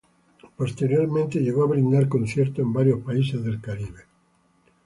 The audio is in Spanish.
Posteriormente llegó a brindar conciertos en varios países del Caribe.